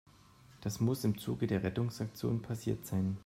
Das muss im Zuge der Rettungsaktion passiert sein.